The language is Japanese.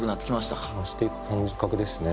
増していく感覚ですね。